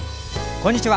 こんにちは。